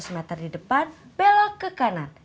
seratus meter di depan belok ke kanan